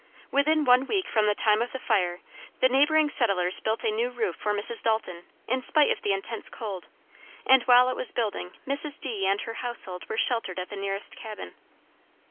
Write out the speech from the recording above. Within one week from the time of the fire the neighboring settlers built a new roof for Mrs. Dalton in spite of the intense cold, and while it was building Mrs. D. and her household were sheltered at the nearest cabin.